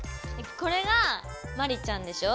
これがマリちゃんでしょ。